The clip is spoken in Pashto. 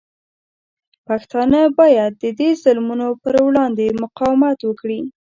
پښتانه باید د دې ظلمونو پر وړاندې مقاومت وکړي.